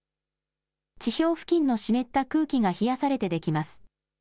地表付近の湿った空気が冷やされて出来ます。